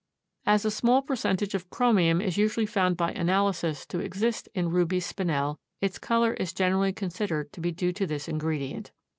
As a small percentage of chromium is usually found by analysis to exist in ruby Spinel, its color is generally considered to be due to this ingredient.